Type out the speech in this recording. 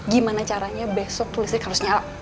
gimana caranya besok listrik harus nyala